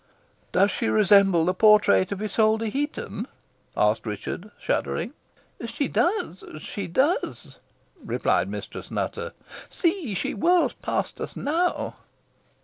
"Does she resemble the portrait of Isole de Heton?" asked Richard, shuddering. "She does she does," replied Mistress Nutter. "See! she whirls past us now."